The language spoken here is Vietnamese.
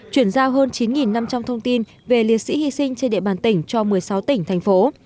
chuyển giao hơn chín năm trăm linh thông tin về liệt sĩ hy sinh trên địa bàn tỉnh cho một mươi sáu tỉnh thành phố